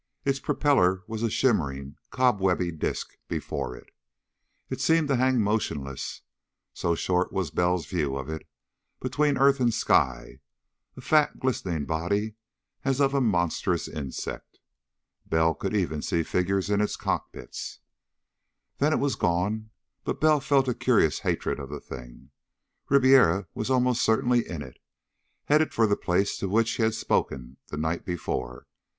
Its propeller was a shimmering, cobwebby disk before it. It seemed to hang motionless so short was Bell's view of it between earth and sky: a fat glistening body as of a monstrous insect. Bell could even see figures in its cockpits. Then it was gone, but Bell felt a curious hatred of the thing. Ribiera was almost certainly in it, headed for the place to which he had spoken the night before.